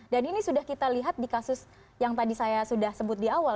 dan ini sudah kita lihat di kasus yang tadi saya sudah sebut di awal